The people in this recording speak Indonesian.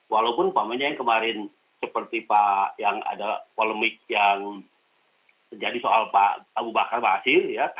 walaupun umpamanya yang kemarin seperti pak yang ada polemik yang terjadi soal pak abu bakar basir